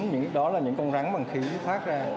những con rắn bằng khí thoát ra